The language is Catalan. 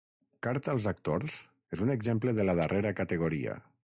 Carta als actors és un exemple de la darrera categoria.